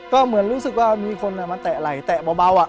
ก็เหมือนรู้สึกว่ามีคนมาแตะไหล่แตะเบาอ่ะ